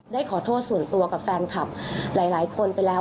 ได้ขอโทษส่วนตัวกับแฟนคลับหลายคนไปแล้ว